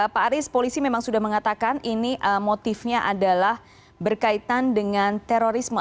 pak aris polisi memang sudah mengatakan ini motifnya adalah berkaitan dengan terorisme